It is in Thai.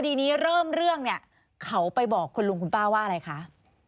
ดีนี้เริ่มเรื่องเนี่ยเขาไปบอกคุณลุงคุณป้าว่าอะไรคะ